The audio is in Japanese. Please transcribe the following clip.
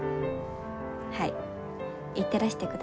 はい行ってらしてください。